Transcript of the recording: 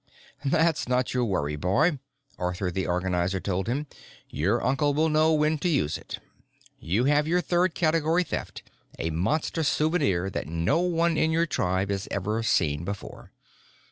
"That's not your worry, boy," Arthur the Organizer told him. "Your uncle will know when to use it. You have your third category theft a Monster souvenir that no one in your tribe has ever seen before.